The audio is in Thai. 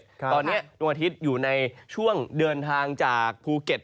ตอนนี้ดวงอาทิตย์อยู่ในช่วงเดินทางจากภูเก็ต